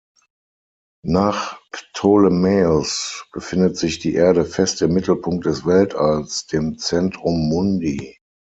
Nach Ptolemäus befindet sich die Erde fest im Mittelpunkt des Weltalls, dem "Centrum Mundi".